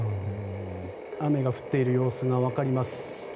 雨が降っている様子が分かります。